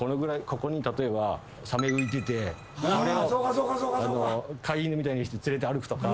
ここに例えばサメ浮いててそれを飼い犬みたいにして連れて歩くとか。